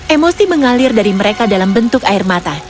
emosi mengalir dari mereka dalam bentuk air mata